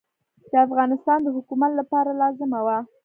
د افغانستان د حکومت لپاره لازمه وه.